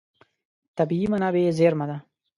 طبیعي منابع زېرمه ده.